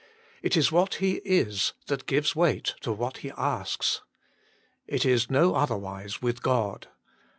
It is what he is that gives weight to what he asks. It is no otherwise with God.